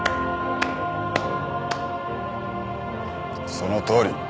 そのとおり。